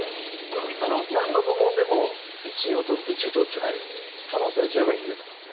何の部門でも１位を取る可能性は十分に秘めていますね。